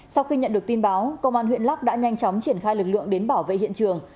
sau khi nhận được tin báo công an huyện lắc đã nhanh chóng triển khai lực lượng đến bảo vệ hiện trường